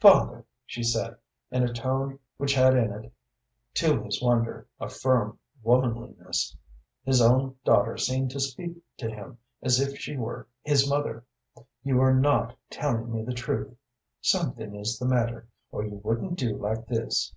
"Father," she said, in a tone which had in it, to his wonder, a firm womanliness his own daughter seemed to speak to him as if she were his mother "you are not telling me the truth. Something is the matter, or you wouldn't do like this."